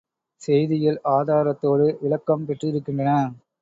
செய்திகள் ஆதாரத்தோடு விளக்கம் பெற்றிருக்கின்றன.